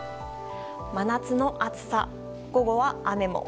真夏の暑さ、午後は雨も。